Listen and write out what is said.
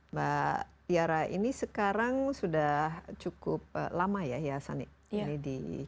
mbak tiara ini sekarang sudah cukup lama yayasan ini di